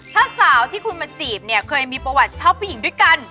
ถ้าสาวที่คุณมาจีบเนี่ยเคยมีประวัติชอบผู้หญิงด้วยกัน